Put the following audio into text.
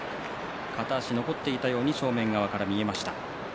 片足で残っていたように正面側から見えました。